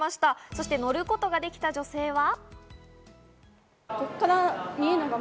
そして乗ることができた女性は。